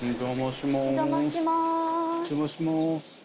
お邪魔します。